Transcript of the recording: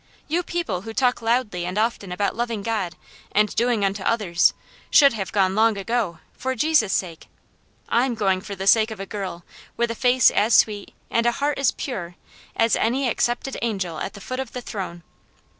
You people who talk loudly and often about loving God, and 'doing unto others,' should have gone long ago, for Jesus' sake; I'm going for the sake of a girl, with a face as sweet, and a heart as pure, as any accepted angel at the foot of the throne.